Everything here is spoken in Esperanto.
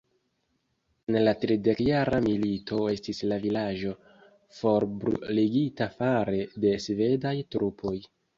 En la Tridekjara Milito estis la vilaĝo forbruligita fare de svedaj trupoj.